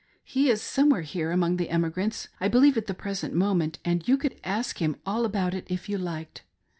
He is somewhere here among the emigrants, I believe, at the present moment, and you could ask him all about it if you liked.